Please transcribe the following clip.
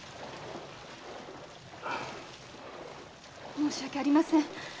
申し訳ありません。